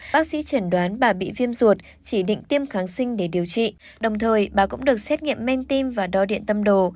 bác sĩ chẩn đoán bà bị viêm ruột chỉ định tiêm kháng sinh để điều trị đồng thời bà cũng được xét nghiệm men tim và đo điện tâm đồ